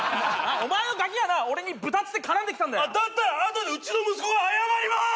お前のガキがな俺にブタっつって絡んできたんだよだったらあなたにうちの息子が謝ります！